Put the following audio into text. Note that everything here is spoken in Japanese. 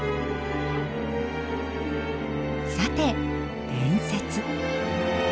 さて伝説。